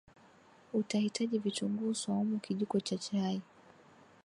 utahitaji Vitunguu swaumu kijiko cha chai